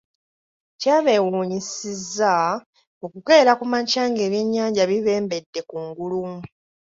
Kyabeewuunyisizza okukeera ku makya ng’ebyennyanja bibembedde ku ngulu.